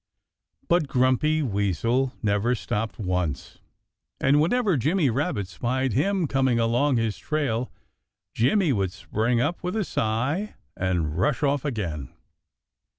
But Grumpy Weasel never stopped once. And whenever Jimmy Rabbit spied him coming along his trail Jimmy would spring up with a sigh and rush off again.